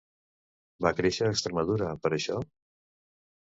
Va créixer a Extremadura, per això?